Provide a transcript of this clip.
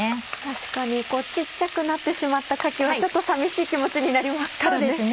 確かに小っちゃくなってしまったかきはちょっと寂しい気持ちになりますからね。